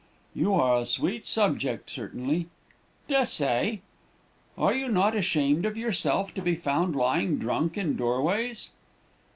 "'You are a sweet subject, certainly.' "'Des'say.' "'Are you not ashamed of yourself, to be found lying drunk in door ways?'